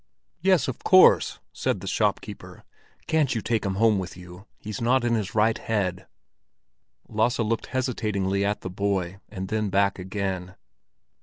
"Yes, of course!" said the shopkeeper. "Can't you take him home with you? He's not right in his head." Lasse looked hesitatingly at the boy, and then back again.